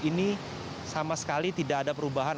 ini sama sekali tidak ada perubahan